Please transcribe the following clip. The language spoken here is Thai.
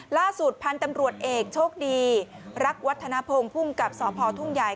ล่าสุดพันธุ์ตำรวจเอกโชคดีรักวัฒนภงภูมิกับสพทุ่งใหญ่